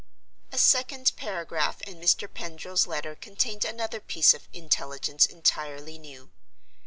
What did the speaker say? A second paragraph in Mr. Pendril's letter contained another piece of intelligence entirely new.